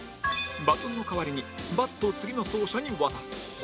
バトンの代わりにバットを次の走者に渡す